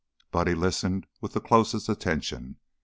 Buddy listened with the closest attention.